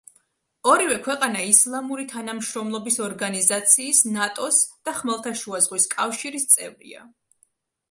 ორივე ქვეყანა ისლამური თანამშრომლობის ორგანიზაციის, ნატოს და ხმელთაშუა ზღვის კავშირის წევრია.